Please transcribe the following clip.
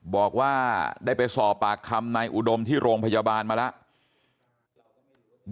บอกว่าได้ไปสอบปากคำนายอุดมที่โรงพยาบาลมาแล้ว